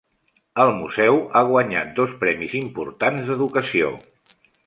El museu ha guanyat dos premis importants d'educació.